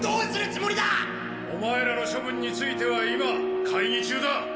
オマエらの処分については今会議中だ。